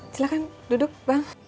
silahkan duduk bang